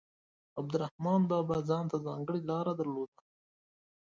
عبدالرحمان بابا ځانته ځانګړې لاره درلوده.